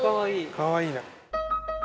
かわいいな。